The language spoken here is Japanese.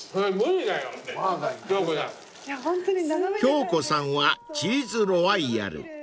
［京子さんはチーズロワイヤル］